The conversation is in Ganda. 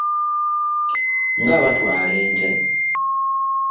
Nga batwaala ente.